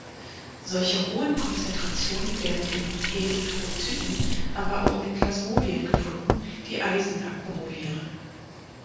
Solche hohen Konzentrationen werden in Erythrozyten, aber auch in Plasmodien gefunden, die Eisen akkumulieren.